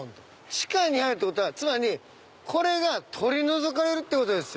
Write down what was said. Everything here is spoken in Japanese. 地下に入るってことはつまりこれが取り除かれるってことです。